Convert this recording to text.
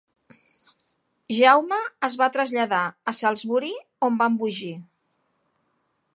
Jaume es va traslladar a Salisbury on va embogir.